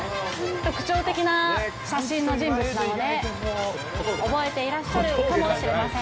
特徴的な写真の人物なので、覚えていらっしゃるかもしれません。